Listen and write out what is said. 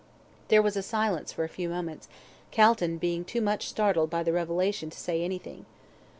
There was a silence for a few moments, Calton being too much startled by the revelation to say anything.